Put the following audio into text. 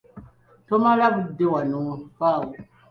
Tomala budde wano vaawo.